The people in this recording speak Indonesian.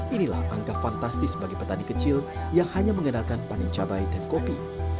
inilah angka fantastis bagi petani kecil yang hanya mengenalkan panen cabai dan kopi